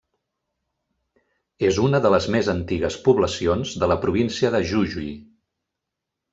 És una de les més antigues poblacions de la Província de Jujuy.